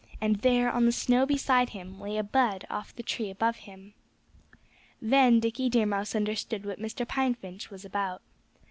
And there, on the snow beside him, lay a bud off the tree above him. Then Dickie Deer Mouse understood what Mr. Pine Finch was about.